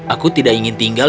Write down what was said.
aku tidak ingin tinggal